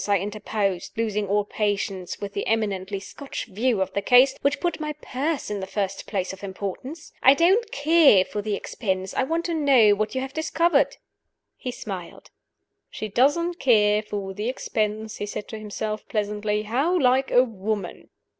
I interposed, losing all patience with the eminently Scotch view of the case which put my purse in the first place of importance. "I don't care for the expense; I want to know what you have discovered." He smiled. "She doesn't care for the expense," he said to himself, pleasantly. "How like a woman!"